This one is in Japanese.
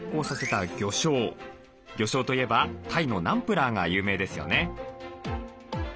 魚しょうといえばタイのナンプラーが有名ですよね。